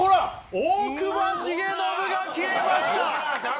大隈重信が消えましたえー！